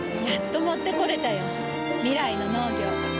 やっと持ってこれたよ。未来の農業。